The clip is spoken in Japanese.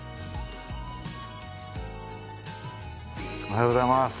おはようございます。